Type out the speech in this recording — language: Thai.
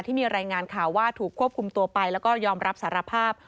ที่มีรายงานข่าวว่าถูกควบคุมตัวไปแล้วก็ยอมรับสารภาพ